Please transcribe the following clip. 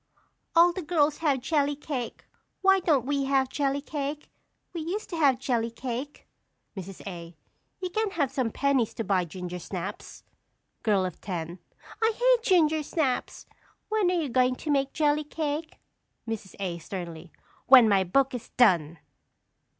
All the girls have jelly cake. Why don't we have jelly cake? We used to have jelly cake. Mrs. A. You can have some pennies to buy ginger snaps. Girl of Ten. I hate ginger snaps! When are you going to make jelly cake? Mrs. A. (sternly). When my book is done.